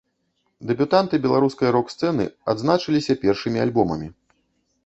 Дэбютанты беларускай рок-сцэны адзначыліся першымі альбомамі.